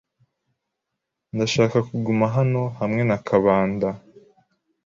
Ndashaka kuguma hano hamwe na Kabanda.